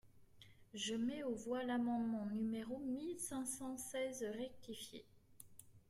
Je mets aux voix l’amendement numéro mille cinq cent seize rectifié.